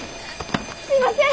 すいません！